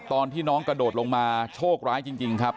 ตอนที่น้องกระโดดลงมาโชคร้ายจริงครับ